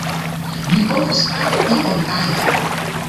Mi povos fari ion ajn.